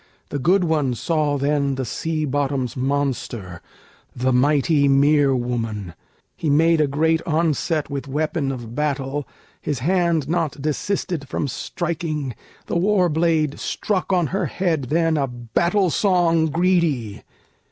The good one saw then the sea bottom's monster, The mighty mere woman: he made a great onset With weapon of battle; his hand not desisted From striking; the war blade struck on her head then A battle song greedy.